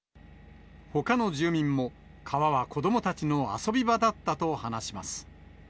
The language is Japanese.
ほかの住民も、川は子どもたちの遊び場だったと話します。